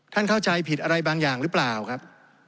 เข้าใจผิดอะไรบางอย่างหรือเปล่าครับ